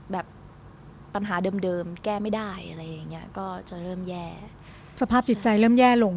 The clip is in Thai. แบบปัญหาเดิมแก้ไม่ได้อะไรอย่างเงี้ยก็จะเริ่มแย่สภาพจิตใจเริ่มแย่ลง